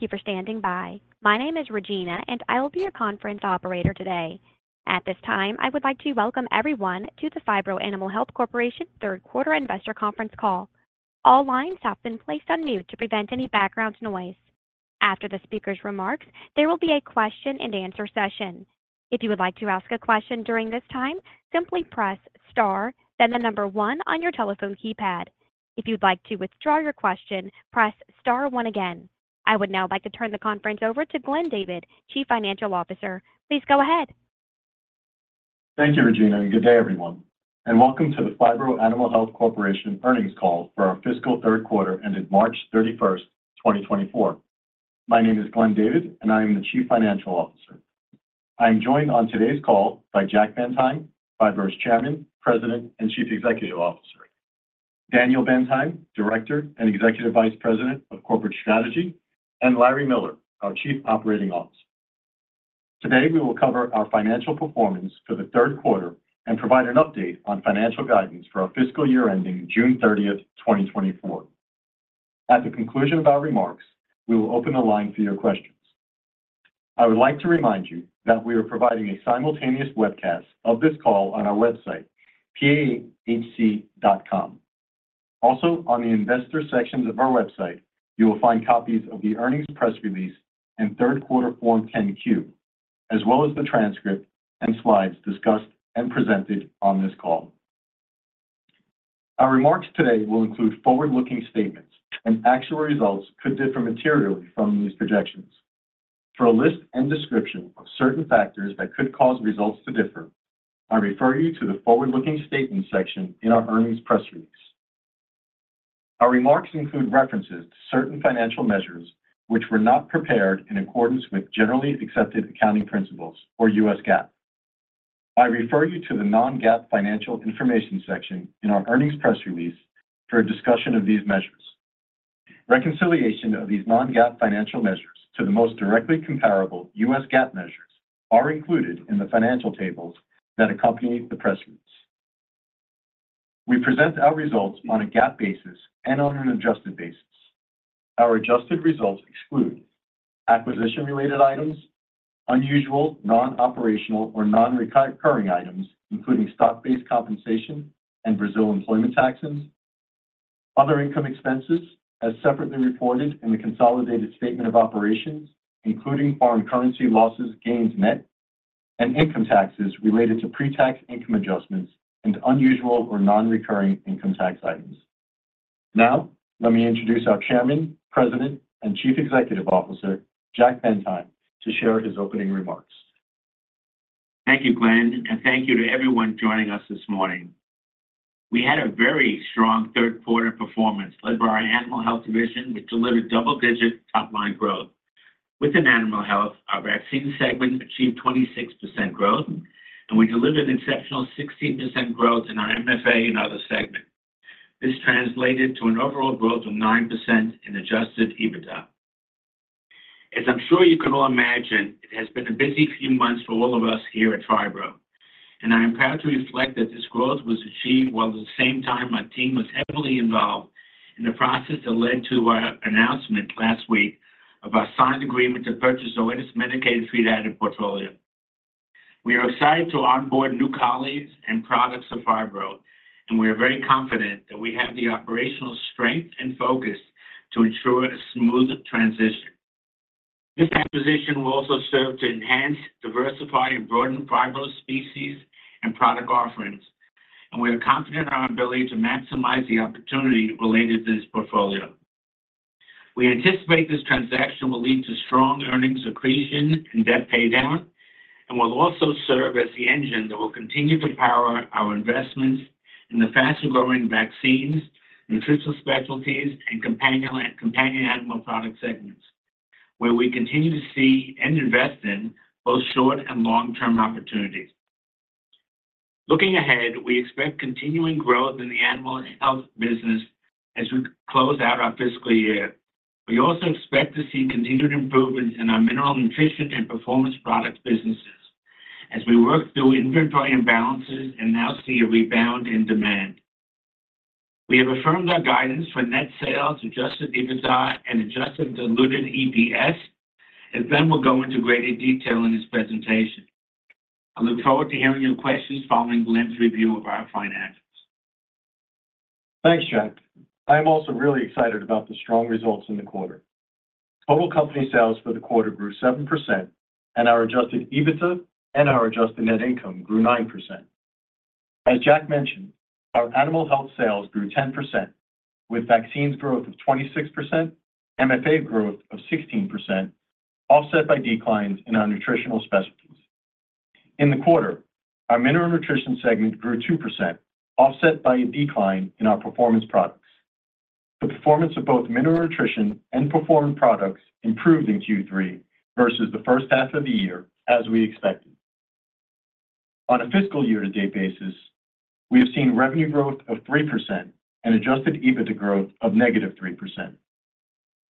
Thank you for standing by. My name is Regina, and I will be your conference operator today. At this time, I would like to welcome everyone to the Phibro Animal Health Corporation Third-Quarter Investor Conference Call. All lines have been placed on mute to prevent any background noise. After the speaker's remarks, there will be a question-and-answer session. If you would like to ask a question during this time, simply press star, then the number one on your telephone keypad. If you'd like to withdraw your question, press star one again. I would now like to turn the conference over to Glenn David, Chief Financial Officer. Please go ahead. Thank you, Regina, and good day, everyone. Welcome to the Phibro Animal Health Corporation earnings call for our fiscal third quarter ended March 31st, 2024. My name is Glenn David, and I am the Chief Financial Officer. I am joined on today's call by Jack Bendheim, Phibro's Chairman, President, and Chief Executive Officer, Daniel Bendheim, Director and Executive Vice President of Corporate Strategy, and Larry Miller, our Chief Operating Officer. Today we will cover our financial performance for the third quarter and provide an update on financial guidance for our fiscal year ending June 30th, 2024. At the conclusion of our remarks, we will open the line for your questions. I would like to remind you that we are providing a simultaneous webcast of this call on our website, pahc.com. Also, on the investor sections of our website, you will find copies of the earnings press release and third quarter Form 10-Q, as well as the transcript and slides discussed and presented on this call. Our remarks today will include forward-looking statements, and actual results could differ materially from these projections. For a list and description of certain factors that could cause results to differ, I refer you to the forward-looking statements section in our earnings press release. Our remarks include references to certain financial measures which were not prepared in accordance with generally accepted accounting principles or U.S. GAAP. I refer you to the non-GAAP financial information section in our earnings press release for a discussion of these measures. Reconciliation of these non-GAAP financial measures to the most directly comparable U.S. GAAP measures are included in the financial tables that accompany the press release. We present our results on a GAAP basis and on an adjusted basis. Our adjusted results exclude acquisition-related items, unusual, non-operational, or non-recurring items, including stock-based compensation and Brazil employment taxes, other income expenses as separately reported in the consolidated statement of operations, including foreign currency losses/gains, net, and income taxes related to pre-tax income adjustments and unusual or non-recurring income tax items. Now, let me introduce our Chairman, President, and Chief Executive Officer, Jack Bendheim, to share his opening remarks. Thank you, Glenn, and thank you to everyone joining us this morning. We had a very strong third quarter performance led by Animal Health division, which delivered double-digit top-line growth. Animal Health, our Vaccines segment achieved 26% growth, and we delivered exceptional 16% growth in our MFA and Other segments. This translated to an overall growth of 9% in Adjusted EBITDA. As I'm sure you can all imagine, it has been a busy few months for all of us here at Phibro, and I am proud to reflect that this growth was achieved while at the same time our team was heavily involved in the process that led to our announcement last week of our signed agreement to purchase Zoetis medicated feed additive portfolio. We are excited to onboard new colleagues and products of Phibro, and we are very confident that we have the operational strength and focus to ensure a smooth transition. This acquisition will also serve to enhance, diversify, and broaden Phibro species and product offerings, and we are confident in our ability to maximize the opportunity related to this portfolio. We anticipate this transaction will lead to strong earnings accretion and debt paydown, and will also serve as the engine that will continue to power our investments in the faster-growing vaccines, Nutritional Specialties, and Companion Animal product segments, where we continue to see and invest in both short and long-term opportunities. Looking ahead, we expect continuing growth in the Animal Health business as we close out our fiscal year. We also expect to see continued improvements in our Mineral Nutrition and Performance Products businesses as we work through inventory imbalances and now see a rebound in demand. We have affirmed our guidance for net sales, Adjusted EBITDA, and Adjusted Diluted EPS, and then we'll go into greater detail in this presentation. I look forward to hearing your questions following Glenn's review of our financials. Thanks, Jack. I am also really excited about the strong results in the quarter. Total company sales for the quarter grew 7%, and our adjusted EBITDA and our adjusted net income grew 9%. As Jack mentioned, our Animal Health sales grew 10% with Vaccines' growth of 26%, MFA growth of 16%, offset by declines in our Nutritional Specialties. In the quarter, our Mineral Nutrition segment grew 2%, offset by a decline in our Performance Products. The performance of both Mineral Nutrition and Performance Products improved in Q3 versus the first half of the year as we expected. On a fiscal year-to-date basis, we have seen revenue growth of 3% and adjusted EBITDA growth of -3%.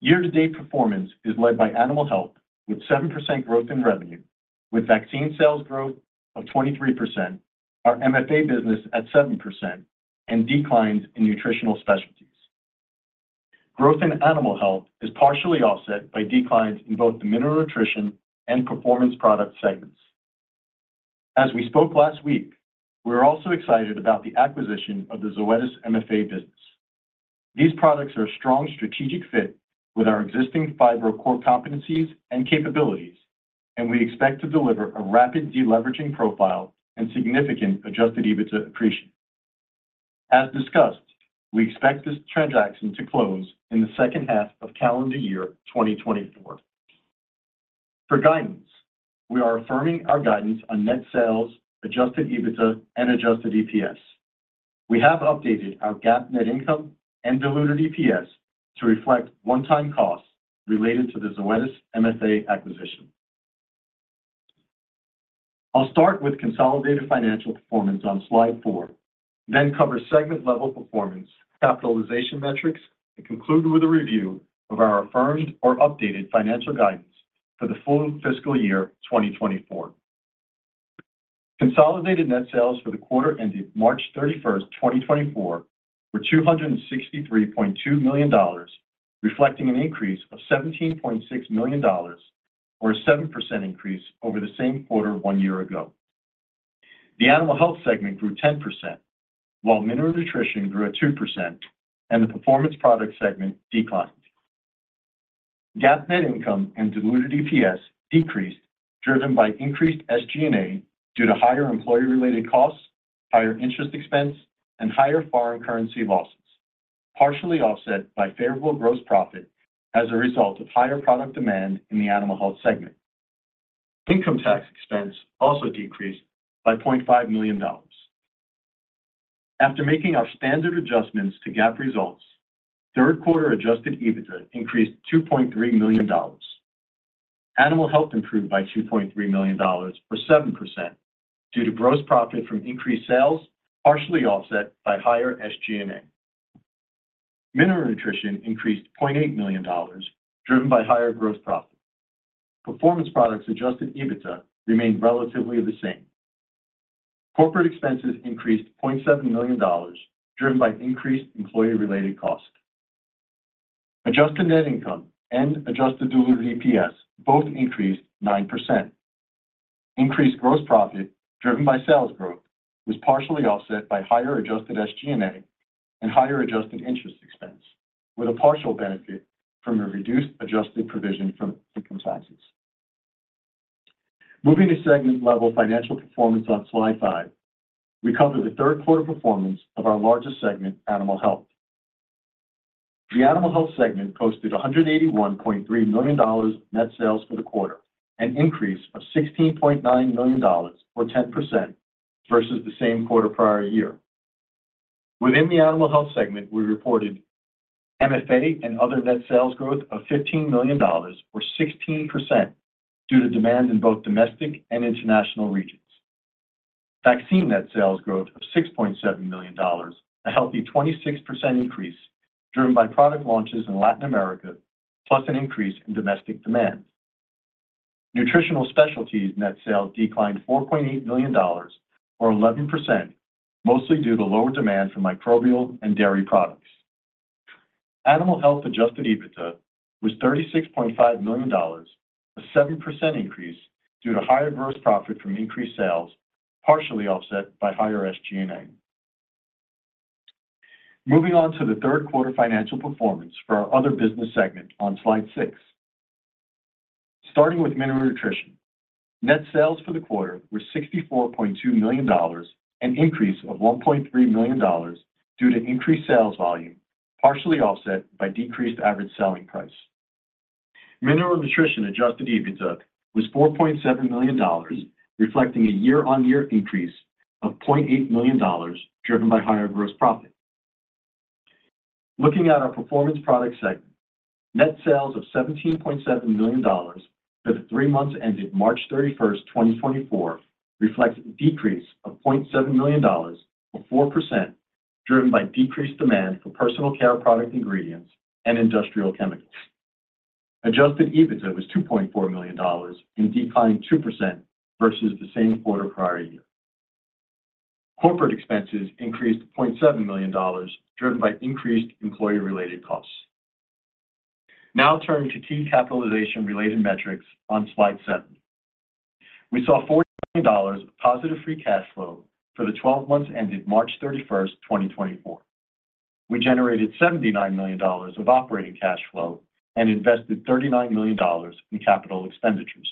Year-to-date performance is led by Animal Health with 7% growth in revenue, with Vaccines sales growth of 23%, our MFA business at 7%, and declines in Nutritional Specialties. Growth in Animal Health is partially offset by declines in both the Mineral Nutrition and Performance Products segments. As we spoke last week, we are also excited about the acquisition of the Zoetis MFA business. These products are a strong strategic fit with our existing Phibro core competencies and capabilities, and we expect to deliver a rapid deleveraging profile and significant Adjusted EBITDA accretion. As discussed, we expect this transaction to close in the second half of calendar year 2024. For guidance, we are affirming our guidance on net sales, Adjusted EBITDA, and Adjusted EPS. We have updated our GAAP net income and diluted EPS to reflect one-time costs related to the Zoetis MFA acquisition. I'll start with consolidated financial performance on slide four, then cover segment-level performance, capitalization metrics, and conclude with a review of our affirmed or updated financial guidance for the full fiscal year 2024. Consolidated net sales for the quarter ended March 31st, 2024, were $263.2 million, reflecting an increase of $17.6 million, or a 7% increase over the same quarter one year ago. The Animal Health segment grew 10%, while Mineral Nutrition grew at 2%, and the Performance Products segment declined. GAAP net income and diluted EPS decreased, driven by increased SG&A due to higher employee-related costs, higher interest expense, and higher foreign currency losses, partially offset by favorable gross profit as a result of higher product demand in the Animal Health segment. Income tax expense also decreased by $0.5 million. After making our standard adjustments to GAAP results, third quarter adjusted EBITDA increased $2.3 million. Animal Health improved by $2.3 million, or 7%, due to gross profit from increased sales, partially offset by higher SG&A. Mineral Nutrition increased $0.8 million, driven by higher gross profit. Performance Products' adjusted EBITDA remained relatively the same. Corporate expenses increased $0.7 million, driven by increased employee-related costs. Adjusted net income and adjusted diluted EPS both increased 9%. Increased gross profit, driven by sales growth, was partially offset by higher adjusted SG&A and higher adjusted interest expense, with a partial benefit from a reduced adjusted provision for income taxes. Moving to segment-level financial performance on slide five, we cover the third quarter performance of our largest segment, Animal Health. The Animal Health segment posted $181.3 million net sales for the quarter, an increase of $16.9 million, or 10%, versus the same quarter prior year. Within the Animal Health segment, we reported MFA and Other net sales growth of $15 million, or 16%, due to demand in both domestic and international regions. Vaccines net sales growth of $6.7 million, a healthy 26% increase, driven by product launches in Latin America, plus an increase in domestic demand. Nutritional Specialties net sales declined $4.8 million, or 11%, mostly due to lower demand for microbial and dairy products. Animal Health adjusted EBITDA was $36.5 million, a 7% increase due to higher gross profit from increased sales, partially offset by higher SG&A. Moving on to the third quarter financial performance for our other business segment on slide six. Starting with Mineral Nutrition, net sales for the quarter were $64.2 million, an increase of $1.3 million due to increased sales volume, partially offset by decreased average selling price. Mineral Nutrition adjusted EBITDA was $4.7 million, reflecting a year-over-year increase of $0.8 million, driven by higher gross profit. Looking at our Performance Products segment, net sales of $17.7 million for the three months ended March 31st, 2024, reflect a decrease of $0.7 million or 4%, driven by decreased demand for personal care product ingredients and industrial chemicals. Adjusted EBITDA was $2.4 million and declined 2% versus the same quarter prior year. Corporate expenses increased $0.7 million, driven by increased employee-related costs. Now turn to key capitalization-related metrics on slide seven. We saw $4 million of positive free cash flow for the 12 months ended March 31st, 2024. We generated $79 million of operating cash flow and invested $39 million in capital expenditures.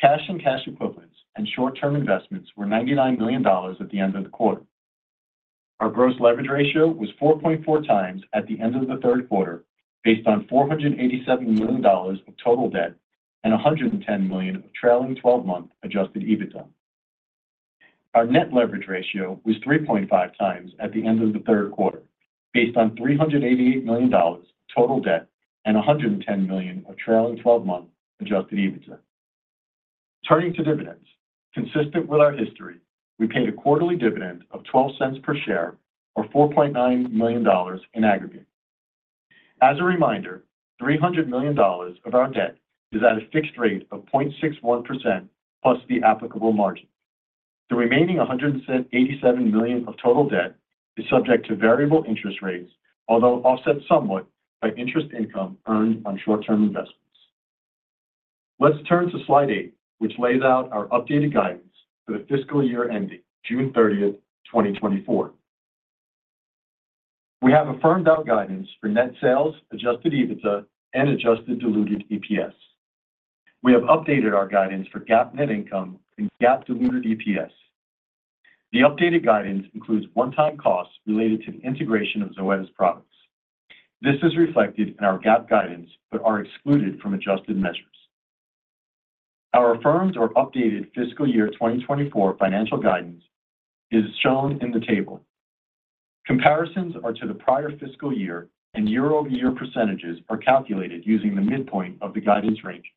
Cash and cash equivalents and short-term investments were $99 million at the end of the quarter. Our gross leverage ratio was 4.4x at the end of the third quarter based on $487 million of total debt and $110 million of trailing 12-month adjusted EBITDA. Our net leverage ratio was 3.5 times at the end of the third quarter based on $388 million of total debt and $110 million of trailing 12-month adjusted EBITDA. Turning to dividends, consistent with our history, we paid a quarterly dividend of $0.12 per share, or $4.9 million in aggregate. As a reminder, $300 million of our debt is at a fixed rate of 0.61%+ the applicable margin. The remaining $187 million of total debt is subject to variable interest rates, although offset somewhat by interest income earned on short-term investments. Let's turn to slide eight, which lays out our updated guidance for the fiscal year ending June 30th, 2024. We have affirmed our guidance for net sales, adjusted EBITDA, and adjusted diluted EPS. We have updated our guidance for GAAP net income and GAAP diluted EPS. The updated guidance includes one-time costs related to the integration of Zoetis products. This is reflected in our GAAP guidance but is excluded from adjusted measures. Our affirmed or updated fiscal year 2024 financial guidance is shown in the table. Comparisons are to the prior fiscal year, and year-over-year percentages are calculated using the midpoint of the guidance ranges.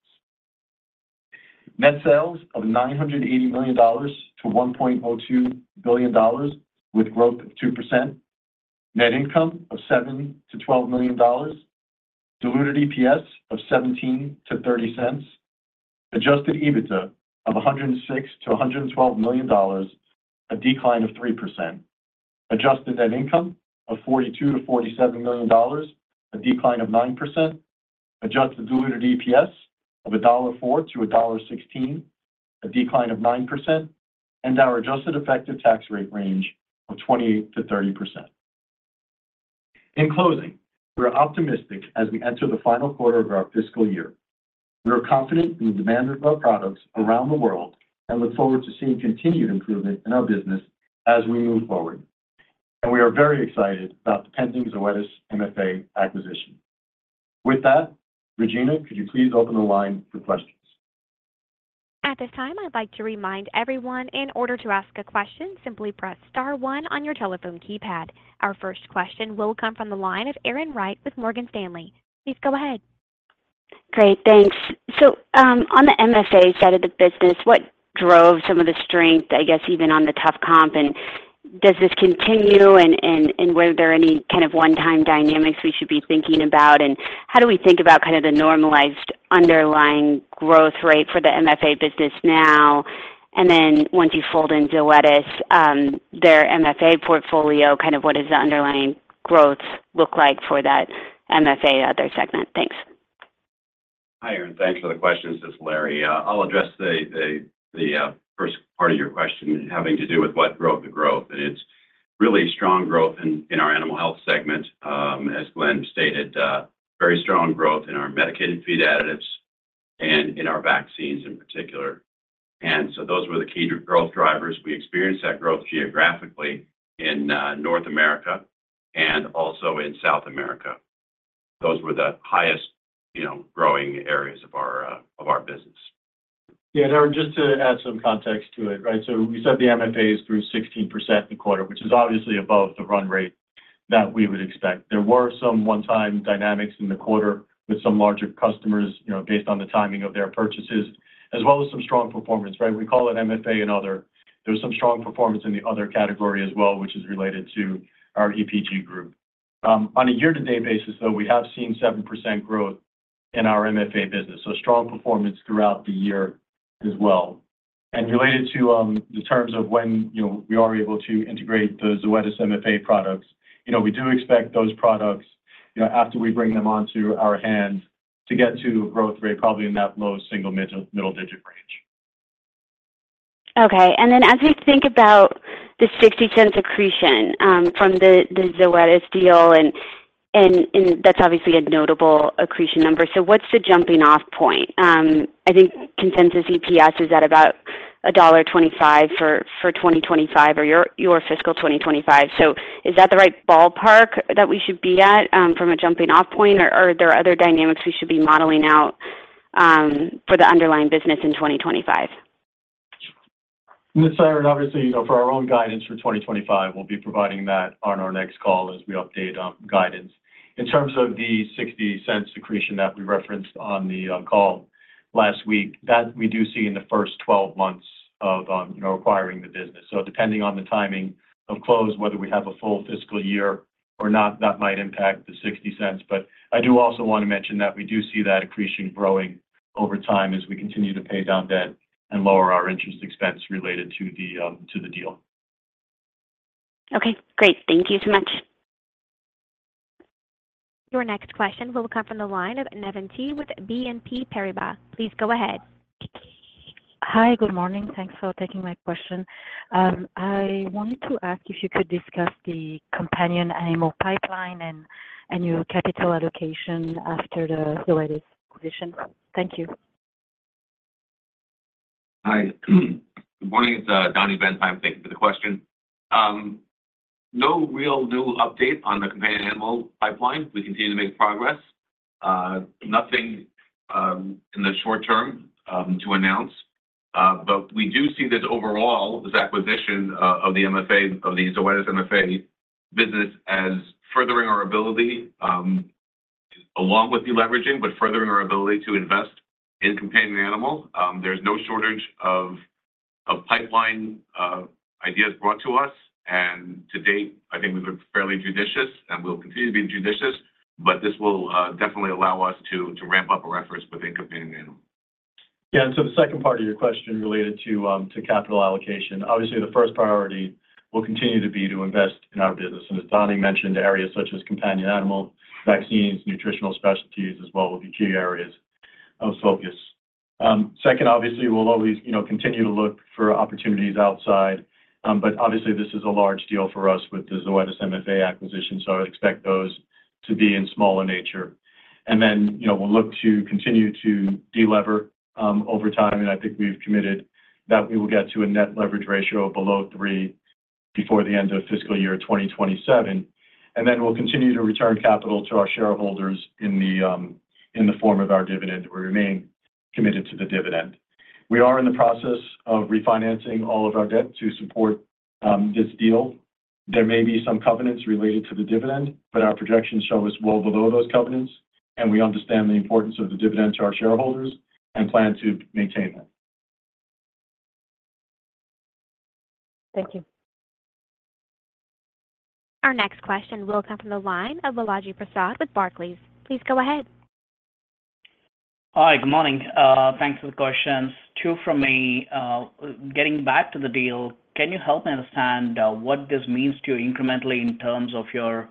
Net sales of $980 million-$1.02 billion with growth of 2%, net income of $7 million-$12 million, diluted EPS of $0.17-$0.30, adjusted EBITDA of $106 million-$112 million, a decline of 3%, adjusted net income of $42 million-$47 million, a decline of 9%, adjusted diluted EPS of $1.04-$1.16, a decline of 9%, and our adjusted effective tax rate range of 28%-30%. In closing, we are optimistic as we enter the final quarter of our fiscal year. We are confident in the demand of our products around the world and look forward to seeing continued improvement in our business as we move forward, and we are very excited about the pending Zoetis MFA acquisition. With that, Regina, could you please open the line for questions? At this time, I'd like to remind everyone, in order to ask a question, simply press star one on your telephone keypad. Our first question will come from the line of Erin Wright with Morgan Stanley. Please go ahead. Great. Thanks. So on the MFA side of the business, what drove some of the strength, I guess, even on the tough comp? And does this continue, and were there any kind of one-time dynamics we should be thinking about? And how do we think about kind of the normalized underlying growth rate for the MFA business now? And then once you fold in Zoetis, their MFA portfolio, kind of what does the underlying growth look like for that MFA other segment? Thanks. Hi, Erin. Thanks for the questions, this is Larry. I'll address the first part of your question having to do with what drove the growth. It's really strong growth in our Animal Health segment, as Glenn stated, very strong growth in our medicated feed additives and in our vaccines in particular. So those were the key growth drivers. We experienced that growth geographically in North America and also in South America. Those were the highest-growing areas of our business. Yeah. Larry, just to add some context to it, right? So we said the MFAs grew 16% in the quarter, which is obviously above the run rate that we would expect. There were some one-time dynamics in the quarter with some larger customers based on the timing of their purchases, as well as some strong performance, right? We call it MFA and Other. There was some strong performance in the other category as well, which is related to our EPG group. On a year-to-date basis, though, we have seen 7% growth in our MFA business, so strong performance throughout the year as well. And related to the terms of when we are able to integrate the Zoetis MFA products, we do expect those products, after we bring them onto our hands, to get to a growth rate probably in that low single middle-digit range. Okay. And then as we think about the $0.60 accretion from the Zoetis deal, and that's obviously a notable accretion number, so what's the jumping-off point? I think consensus EPS is at about $1.25 for 2025 or your fiscal 2025. So is that the right ballpark that we should be at from a jumping-off point, or are there other dynamics we should be modeling out for the underlying business in 2025? Yes, Erin, obviously, for our own guidance for 2025, we'll be providing that on our next call as we update guidance. In terms of the $0.60 accretion that we referenced on the call last week, that we do see in the first 12 months of acquiring the business. So depending on the timing of close, whether we have a full fiscal year or not, that might impact the $0.60. But I do also want to mention that we do see that accretion growing over time as we continue to pay down debt and lower our interest expense related to the deal. Okay. Great. Thank you so much. Your next question will come from the line of Navann Ty with BNP Paribas. Please go ahead. Hi. Good morning. Thanks for taking my question. I wanted to ask if you could discuss the Companion Animal pipeline and your capital allocation after the Zoetis acquisition. Thank you. Hi. Good morning. It's Danny Bendheim. Thank you for the question. No real new update on the Companion Animal pipeline. We continue to make progress. Nothing in the short term to announce. But we do see that overall, this acquisition of the Zoetis MFA business as furthering our ability, along with the leveraging, but furthering our ability to invest in Companion Animal. There's no shortage of pipeline ideas brought to us. And to date, I think we've been fairly judicious, and we'll continue to be judicious. But this will definitely allow us to ramp up our efforts within Companion Animal. Yeah. So the second part of your question related to capital allocation, obviously, the first priority will continue to be to invest in our business. As Danny mentioned, areas such as Companion Animal, vaccines, Nutritional Specialties as well will be key areas of focus. Second, obviously, we'll always continue to look for opportunities outside. But obviously, this is a large deal for us with the Zoetis MFA acquisition, so I would expect those to be in smaller nature. Then we'll look to continue to delever over time. I think we've committed that we will get to a net leverage ratio below three before the end of fiscal year 2027. Then we'll continue to return capital to our shareholders in the form of our dividend. We remain committed to the dividend. We are in the process of refinancing all of our debt to support this deal. There may be some covenants related to the dividend, but our projections show us well below those covenants. We understand the importance of the dividend to our shareholders and plan to maintain that. Thank you. Our next question will come from the line of Balaji Prasad with Barclays. Please go ahead. Hi. Good morning. Thanks for the questions. Two from me. Getting back to the deal, can you help me understand what this means to you incrementally in terms of your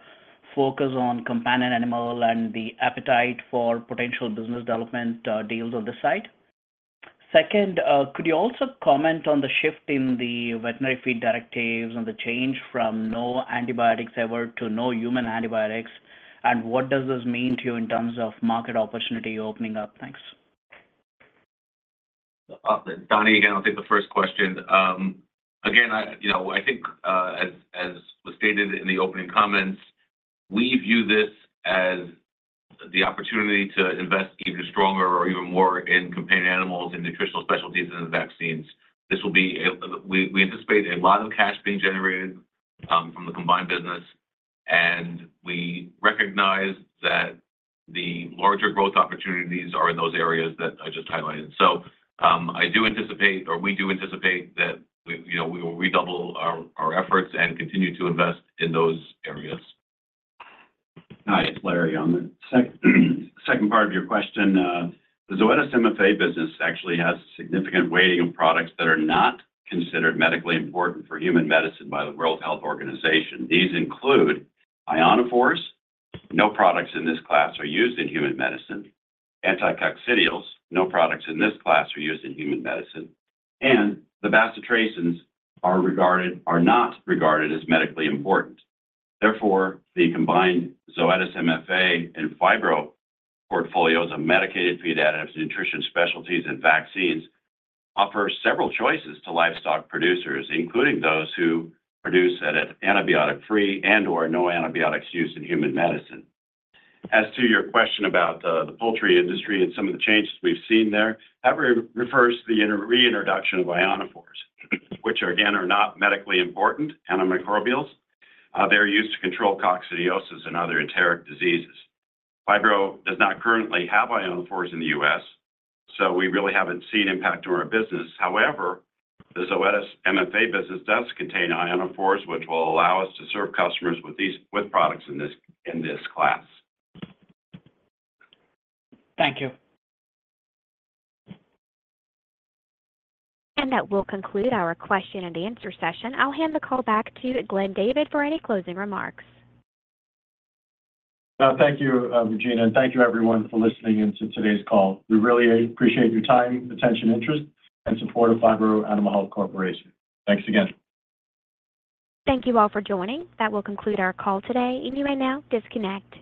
focus on Companion Animal and the appetite for potential business development deals on this side? Second, could you also comment on the shift in the Veterinary Feed Directive and the change from no antibiotics ever to no human antibiotics? And what does this mean to you in terms of market opportunity opening up? Thanks. Danny, again, I'll take the first question. Again, I think as was stated in the opening comments, we view this as the opportunity to invest even stronger or even more in Companion Animals and Nutritional Specialties and vaccines. We anticipate a lot of cash being generated from the combined business. We recognize that the larger growth opportunities are in those areas that I just highlighted. I do anticipate, or we do anticipate, that we will redouble our efforts and continue to invest in those areas. Hi. It's Larry on the second part of your question. The Zoetis MFA business actually has significant weighting of products that are not considered medically important for human medicine by the World Health Organization. These include ionophores - no products in this class are used in human medicine - anticoccidials - no products in this class are used in human medicine - and the bacitracins are not regarded as medically important. Therefore, the combined Zoetis MFA and Phibro portfolios of medicated feed additives, nutrition specialties, and vaccines offer several choices to livestock producers, including those who produce at an antibiotic-free and/or no antibiotics use in human medicine. As to your question about the poultry industry and some of the changes we've seen there, that refers to the reintroduction of ionophores, which again are not medically important antimicrobials. They're used to control coccidiosis and other enteric diseases. Phibro does not currently have ionophores in the U.S., so we really haven't seen impact on our business. However, the Zoetis MFA business does contain ionophores, which will allow us to serve customers with products in this class. Thank you. That will conclude our question-and-answer session. I'll hand the call back to Glenn David for any closing remarks. Thank you, Regina. Thank you, everyone, for listening into today's call. We really appreciate your time, attention, interest, and support of Phibro Animal Health Corporation. Thanks again. Thank you all for joining. That will conclude our call today. You may now disconnect.